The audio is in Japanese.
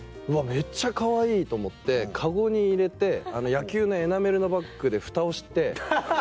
めっちゃかわいい！と思ってカゴに入れて野球のエナメルのバッグでフタをして。